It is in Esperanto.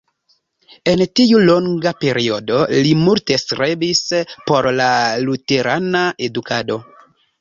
En tiu longa periodo li multe strebis por la luterana edukado.